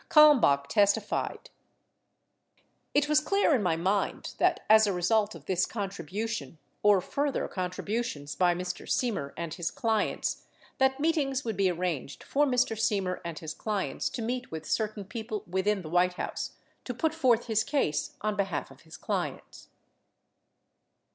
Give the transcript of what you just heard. Kalmbach testified : [I]t was clear in my mind that as a result of this con tribution or further contributions by Mr. Semer and his clients, that meetings would be arranged for Mr. Semer and his clients to meet with certain people within the White House to put forth his case on behalf of his clients."